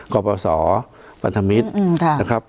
กรปสปรัฐมิตรนะครับ